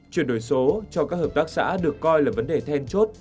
chuyển đổi số cho các hợp tác xã được coi là vấn đề then chốt